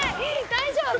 大丈夫？